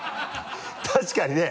確かにね。